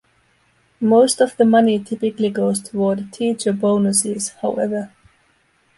Most of the money typically goes toward teacher bonuses, however.